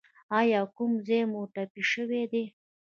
ایا کوم ځای مو ټپي شوی دی؟